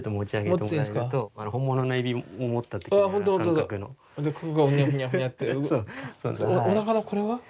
おなかのこれは？